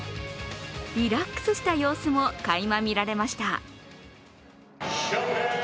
リラックスした様子もかいま見られました。